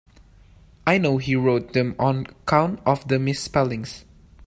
I know he wrote them on account of the misspellings.